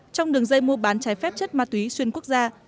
trong đường dây mua bán trái phép chất ma túy xuyên quốc gia